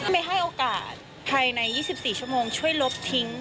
ไม่ให้โอกาสภายใน๒๔ชั่วโมงช่วยลบทิ้ง